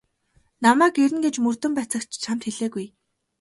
Намайг ирнэ гэж мөрдөн байцаагч чамд хэлээгүй.